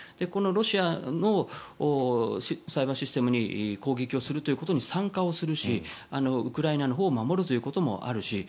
このロシアのサイバーシステムに攻撃をすることに参加をするしウクライナのほうを守るということもあるし